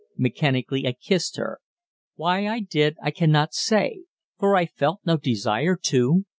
Mechanically I kissed her; why I did I cannot say, for I felt no desire to.